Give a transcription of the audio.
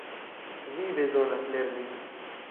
Vi bezonas lerni.